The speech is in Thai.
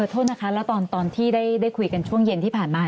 โทษนะคะแล้วตอนที่ได้คุยกันช่วงเย็นที่ผ่านมา